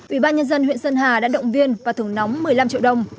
ủy ban nhân dân huyện sơn hà đã động viên và thưởng nóng một mươi năm triệu đồng